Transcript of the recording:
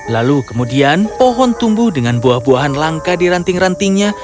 lalu kemudian pohon tumbuh dengan buah buahan langka di ranting rantingnya